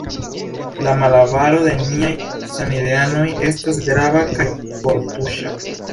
la malavaro de niaj samideanoj estas grava kaj kortuŝa.